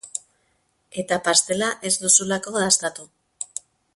Eta pastela ez duzulako dastatu.